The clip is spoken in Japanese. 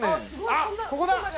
あっここだ！